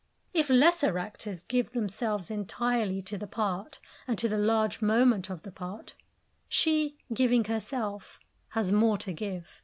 If lesser actors give themselves entirely to the part, and to the large moment of the part, she, giving herself, has more to give.